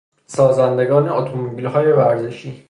سازندگان اتومبیلهای ورزشی